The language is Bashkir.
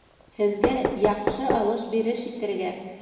Һеҙгә яҡшы алыш-биреш итергә!